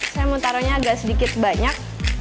saya mau taruhnya agak sedikit banyak